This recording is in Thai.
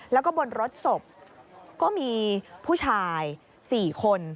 แล้วก็บนรถศพก็มีผู้ชาย๔คน